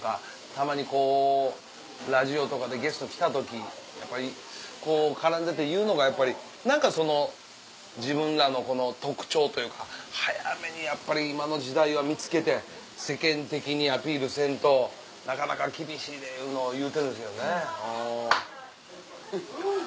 たまにこうラジオとかでゲスト来た時やっぱりこう絡んでて言うのがやっぱり何かその自分らの特徴というか早めにやっぱり今の時代は見つけて世間的にアピールせんとなかなか厳しいでいうのを言うてるんですけどね。